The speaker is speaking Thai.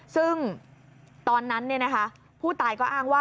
ซึ่งตอนนั้นผู้ตายก็อ้างว่า